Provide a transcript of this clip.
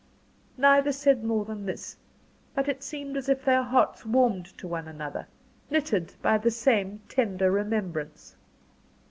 Neither said more than this; but it seemed as if their hearts warmed to one another, knitted by the same tender remembrance.